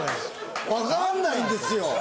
わかんないんですよ。